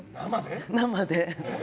生で。